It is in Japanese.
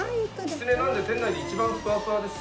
キツネなので店内で一番ふわふわです。